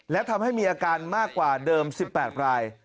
และทำให้มีอาการมากกว่าเดิม๑๘ราย